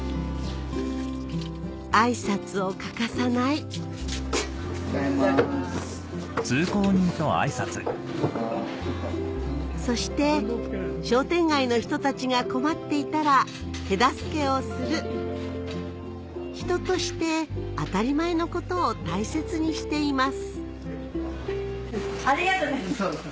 あいさつを欠かさないそして商店街の人たちが困っていたら手助けをする人として当たり前のことを大切にしています